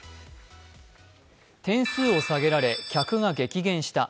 点数を下げられ、客が激減した。